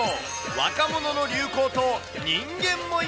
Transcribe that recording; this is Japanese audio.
若者の流行と人間模様